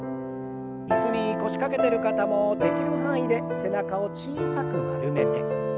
椅子に腰掛けてる方もできる範囲で背中を小さく丸めて。